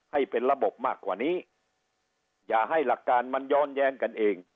ให้เป็นระบบมากกว่านี้อย่าให้หลักการมันย้อนแย้งกันเอง